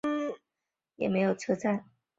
明斯克地铁在这里也设有车站。